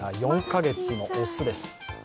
４か月の雄です。